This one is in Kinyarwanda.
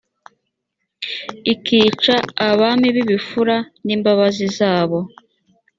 ikica abami bibifura nimbabazi zabo